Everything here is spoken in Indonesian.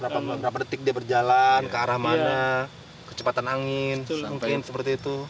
berapa detik dia berjalan ke arah mana kecepatan angin mungkin seperti itu